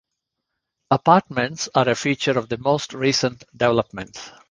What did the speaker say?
Apartments are a feature of the most recent developments.